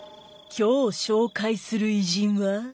今日紹介する偉人は。